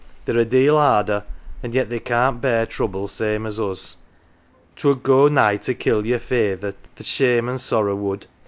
They're a deal harder, an' yet they can't bear trouble same as us. 'T would go nigh to kill yer feyther, th' shame an' the sorrow would.